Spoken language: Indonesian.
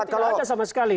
tidak ada sama sekali